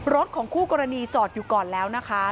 รถของคู่กรณีจอดอยู่ก่อนแล้วนะคะ